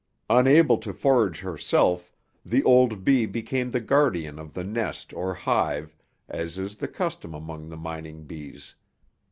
Unable to forage herself, the old bee became the guardian of the nest or hive, as is the custom among the mining bees.